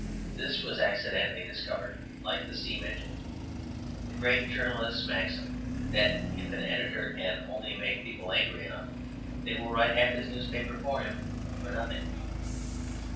Thus was accidentally discovered (like the steam engine) the great journalistic maxim that if an editor can only make people angry enough, they will write half his newspaper for him for nothing.